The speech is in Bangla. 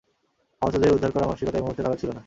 আহতদের উদ্ধার করার মানসিকতা এ মুহুর্তে কারো ছিল না।